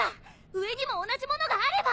上にも同じものがあれば！